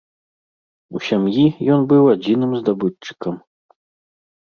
У сям'і ён быў адзіным здабытчыкам.